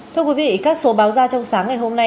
thưa quý vị các số báo ra trong sáng ngày hôm nay